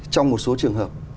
trong một số trường hợp